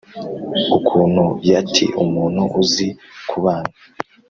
ukuntu yati umuntu uzi kubana